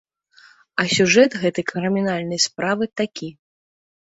А сюжэт гэтай крымінальнай справы такі.